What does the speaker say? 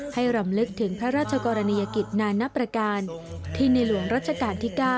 รำลึกถึงพระราชกรณียกิจนานประการที่ในหลวงรัชกาลที่๙